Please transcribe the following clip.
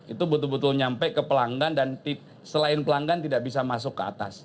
itu betul betul nyampe ke pelanggan dan selain pelanggan tidak bisa masuk ke atas